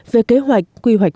về kế hoạch quy hoạch